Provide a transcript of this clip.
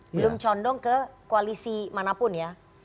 belum condong ke koalisi manapun ya